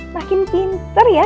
makin pinter ya